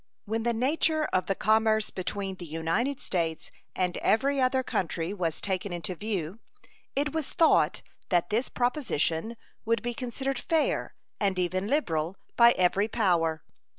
When the nature of the commerce between the United States and every other country was taken into view, it was thought that this proposition would be considered fair, and even liberal, by every power.